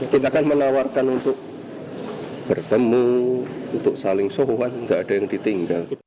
kita kan menawarkan untuk bertemu untuk saling sohu kan tidak ada yang ditinggal